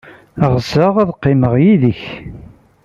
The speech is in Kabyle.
Ɣseɣ ad qqimeɣ yid-k.